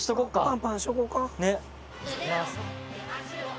パンパンしとこうか。